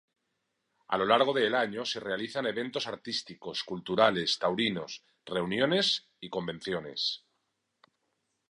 A lo largo del año, se realizan eventos artísticos, culturales, taurinos, reuniones y convenciones.